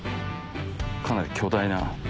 かなり巨大な。